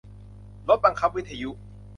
รถบังคับวิทยุ